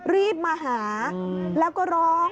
รีบมาหาแล้วก็ร้อง